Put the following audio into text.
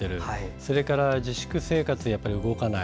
それから自粛生活で動かない。